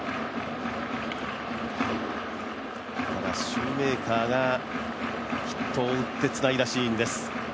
ただシューメーカーがヒットを打って、つないだシーンです。